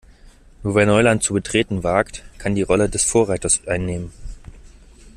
Nur wer Neuland zu betreten wagt, kann die Rolle des Vorreiters einnehmen.